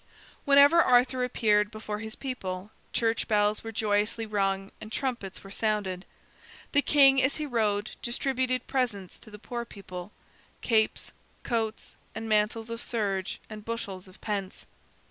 Whenever Arthur appeared before his people, church bells were joyously rung and trumpets were sounded. The king, as he rode, distributed presents to the poor people: capes, coats, and mantles of serge, and bushels of pence.